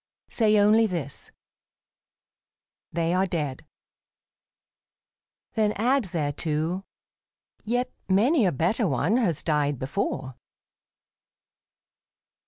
Say only this, " They are dead." Then add thereto, " Yet many a better one has died before."